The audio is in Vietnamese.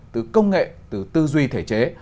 từ công nghệ từ tư duy thể chế